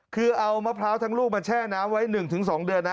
คือเอามะพร้าวทั้งลูกมาแช่น้ำไว้๑๒เดือนนะ